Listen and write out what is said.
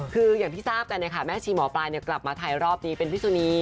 คืออย่างที่ทราบกันนะคะแม่ชีหมอปลายกลับมาไทยรอบนี้เป็นพี่สุนี